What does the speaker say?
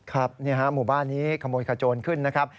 ครับหมู่บ้านนี้ขโมยขโจรขึ้นนะครับ